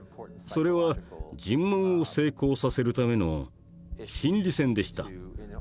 それは尋問を成功させるための心理戦でした。